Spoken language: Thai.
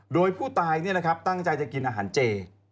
โดยผู้ตายตั้งใจจะกินอาหารเจ